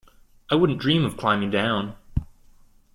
I wouldn't dream of climbing down.